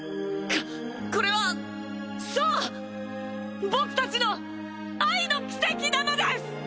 ここれはそう僕たちの愛の奇跡なのです！